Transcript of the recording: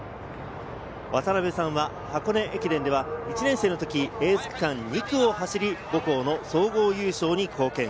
渡辺さんは箱根駅伝では１年生のときエース区間２区を走り、母校の総合優勝に貢献。